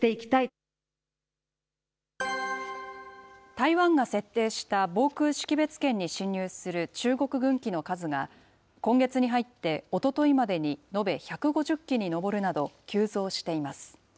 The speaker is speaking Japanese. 台湾が設定した防空識別圏に進入する中国軍機の数が、今月に入っておとといまでに延べ１５０機に上るなど、急増しています。